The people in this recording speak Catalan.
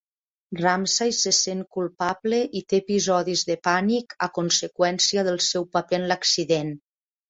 Ramsay se sent culpable i té episodis de pànic a conseqüència del seu paper en l'accident.